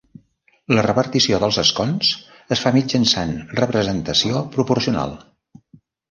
La repartició dels escons es fa mitjançant representació proporcional.